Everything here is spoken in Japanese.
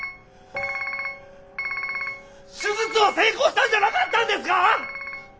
手術は成功したんじゃなかったんですか！